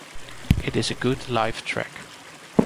It is a good live track.